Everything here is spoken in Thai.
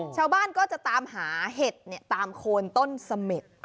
ชาวบ้านก็จะตามหาเห็ดตามโคนต้นเสม็ด